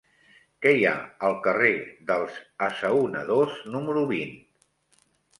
Què hi ha al carrer dels Assaonadors número vint?